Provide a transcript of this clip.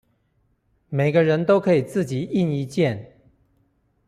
每個人都可以自己印一件